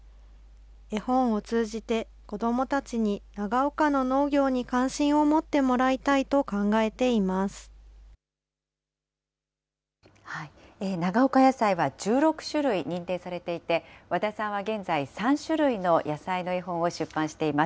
絵本を通じて子どもたちに長岡の農業に関心を持ってもらいたいと長岡野菜は１６種類、認定されていて、わださんは現在、３種類の野菜の絵本を出版しています。